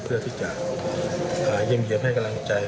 เพื่อที่จะเยี่ยมเยี่ยมให้กำลังใจ